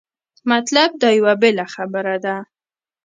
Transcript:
مطلب دا یوه بېله خبره ده.